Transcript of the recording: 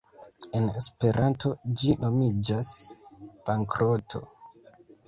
“En Esperanto ĝi nomiĝas ‘bankroto’.